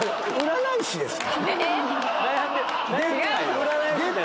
占い師ですか。